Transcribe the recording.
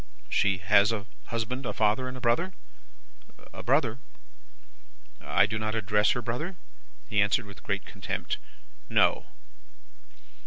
"'She has a husband, a father, and a brother?' "'A brother.' "'I do not address her brother?' "He answered with great contempt, 'No.